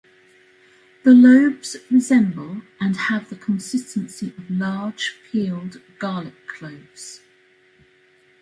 The lobes resemble, and have the consistency of, large peeled garlic cloves.